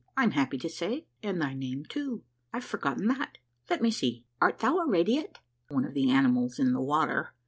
I'm happy to say, and thy name too. I've forgotten that ; let me see. Art thou a radiate? " (One of the animals in tlie water.)